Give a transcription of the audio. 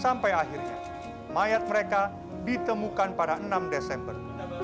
sampai akhirnya mayat mereka ditemukan pada enam desember